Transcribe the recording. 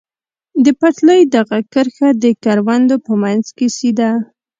د پټلۍ دغه کرښه د کروندو په منځ کې سیده.